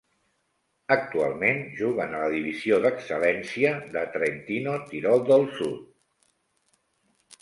Actualment juguen a la divisió "d'Excel·lència" de Trentino-Tirol del Sud .